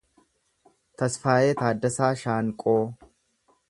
Tasfaayee Taaddasaa Shaanqoo